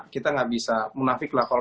kita gak bisa munafik lah kalau